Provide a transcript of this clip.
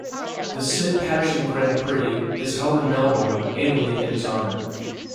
The "Sid Patterson Grand Prix" is held in Melbourne annually in his honour.